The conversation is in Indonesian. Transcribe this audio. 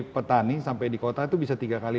petani sampai di kota itu bisa tiga kali